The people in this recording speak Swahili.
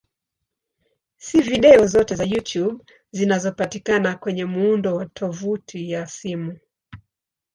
Si video zote za YouTube zinazopatikana kwenye muundo wa tovuti ya simu.